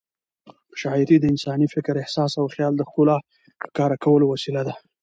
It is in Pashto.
شاعري د انساني فکر، احساس او خیال د ښکلا ښکاره کولو وسیله ده.